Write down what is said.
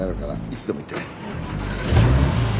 いつでも言ってね。